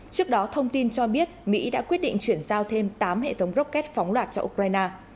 trước đó thông tin cho biết mỹ đã quyết định chuyển giao thêm tám hệ thống rocket phóng loạt cho ukraine